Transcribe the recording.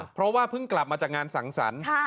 เพราะว่าเพิ่งกลับมาจากงานสังสรรค์